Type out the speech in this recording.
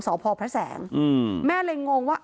สพพระแสงแม่เลยงงว่า